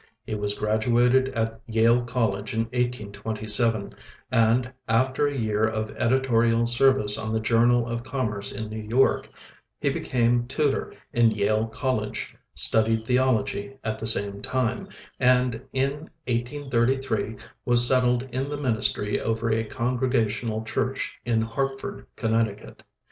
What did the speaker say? He was graduated at Yale College in 1827, and after a year of editorial service on the Journal of Commerce in New York he became tutor in Yale College, studied theology at the same time, and in 1833 was settled in the ministry over a Congregational church in Hartford, Connecticut.